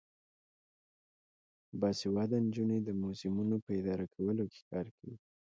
باسواده نجونې د موزیمونو په اداره کولو کې کار کوي.